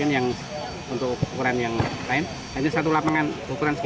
yang untuk ukuran yang lain hanya satu lapangan ukuran segi